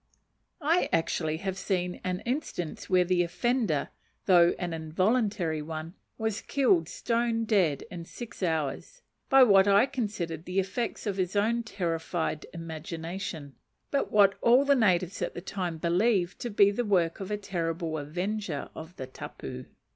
I actually have seen an instance where the offender, though an involuntary one, was killed stone dead in six hours, by what I considered the effects of his own terrified imagination; but what all the natives at the time believed to be the work of the terrible avenger of the tapu.